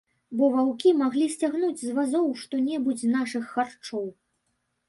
Бо ваўкі маглі сцягнуць з вазоў што-небудзь з нашых харчоў.